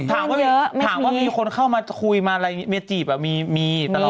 ถามว่ามีคนเข้ามาคุยมาอะไรเมียจีบมีตลอด